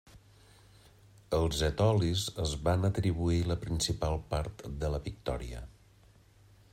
Els etolis es van atribuir la principal part en la victòria.